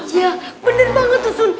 iya bener banget sun